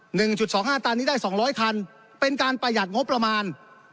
หนึ่งจุดสองห้าตันนี้ได้สองร้อยคันเป็นการประหยัดงบประมาณ